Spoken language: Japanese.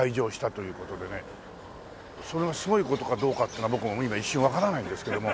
それがすごい事かどうかっていうのは僕も今一瞬わからないんですけども。